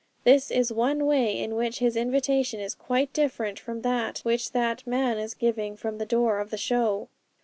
This is one way in which His invitation is quite different from that which that man is giving from the door of the show.